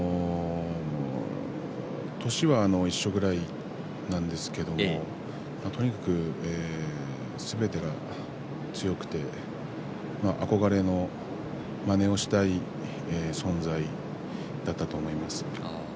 年は一緒ぐらいなんですけどとにかくすべてが強くて憧れのまねをしたい存在だったと思います。